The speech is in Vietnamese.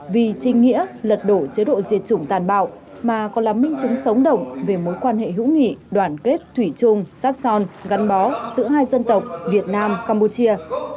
vì trinh nghĩa lật đổ chế độ diệt chủng tàn bạo mà còn là minh chứng sống động về mối quan hệ hữu nghị đoàn kết thủy chung sát son gắn bó giữa hai dân tộc việt nam campuchia